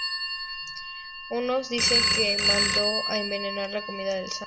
Unos dicen que mandó envenenar la comida del santo.